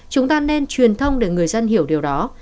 chúng ta nên truyền thông để người dân hiểu điều đó